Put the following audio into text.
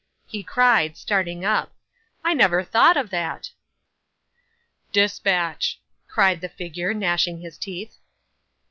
he cried, starting up; "I never thought of that." '"Dispatch," cried the figure, gnashing his teeth.